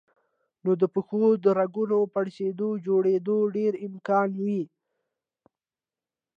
نو د پښو د رګونو پړسېدو جوړېدو ډېر امکان وي